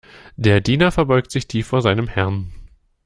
Der Diener verbeugt sich tief vor seinem Herrn.